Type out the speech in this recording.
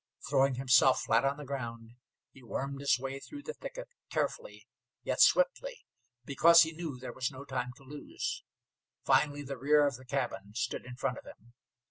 Throwing himself flat on the ground, he wormed his way through the thicket, carefully, yet swiftly, because he knew there was no time to lose. Finally the rear of the cabin stood in front of him.